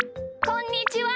こんにちは。